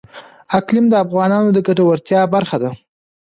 اقلیم د افغانانو د ګټورتیا برخه ده.